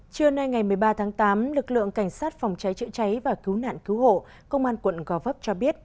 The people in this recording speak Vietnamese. trưa nay ngày một mươi ba tháng tám lực lượng cảnh sát phòng cháy chữa cháy và cứu nạn cứu hộ công an quận gò vấp cho biết